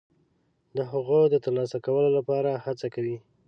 د هغو د ترلاسه کولو لپاره هڅه کوي.